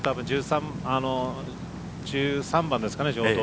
１３番ですかね